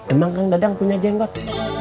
emang kang dadang punya jenggot